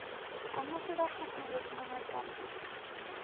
Como será o futuro se non hai cambios?